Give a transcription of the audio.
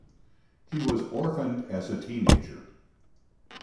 He was orphaned as a teenager.